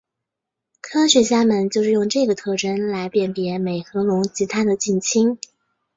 科学家们就是用这个特征来辨别美颌龙及它的近亲。